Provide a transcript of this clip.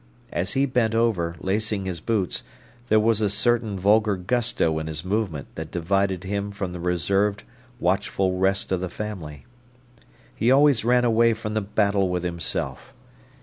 As he bent over, lacing his boots, there was a certain vulgar gusto in his movement that divided him from the reserved, watchful rest of the family. He always ran away from the battle with himself.